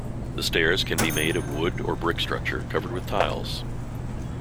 The stairs can be made of wood or brick structure covered with tiles.